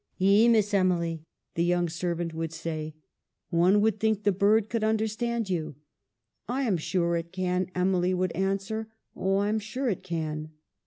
" Ee, Miss Emily," the young servant would say, " one would think the bird could understand you." " I am sure it can," Emily would answer. " Oh, I am sure it can."